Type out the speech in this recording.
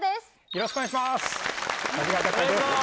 よろしくお願いします